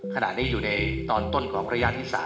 ขณะนี้อยู่ในตอนต้นของระยะที่๓